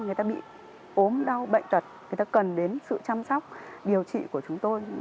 người ta bị ốm đau bệnh tật người ta cần đến sự chăm sóc điều trị của chúng tôi